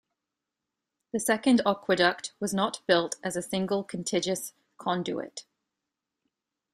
The Second Aqueduct was not built as a single contiguous conduit.